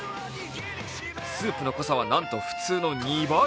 スープの濃さはなんと普通の２倍。